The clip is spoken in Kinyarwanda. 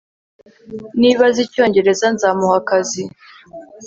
niba azi icyongereza, nzamuha akazi